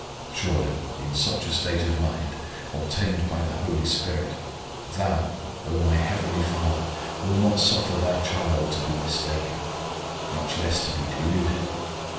Surely, in such a state of mind, obtained by the Holy Spirit, Thou, O my Heavenly Father, will not suffer Thy child to be mistaken, much less to be deluded!